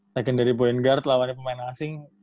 secondary point guard lawannya pemain asing